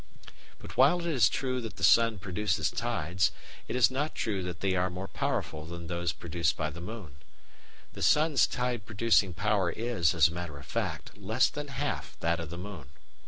But while it is true that the sun produces tides, it is not true that they are more powerful than those produced by the moon. The sun's tide producing power is, as a matter of fact, less than half that of the moon.